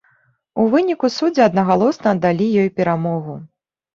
У выніку суддзі аднагалосна аддалі ёй перамогу.